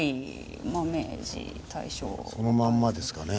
そのまんまですかね。